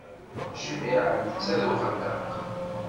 Jmiɛ netta d uxellaq.